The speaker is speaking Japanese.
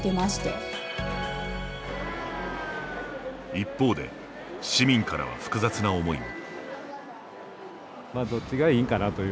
一方で市民からは複雑な思いも。